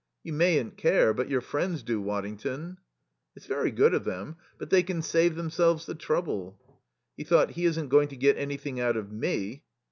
"You mayn't care, but your friends do, Waddington." "It's very good of them. But they can save themselves the trouble." He thought: "He isn't going to get anything out of me."